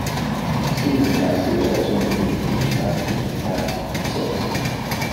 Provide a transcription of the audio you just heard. Seating capacity was also increased to eight passengers per cabin from six.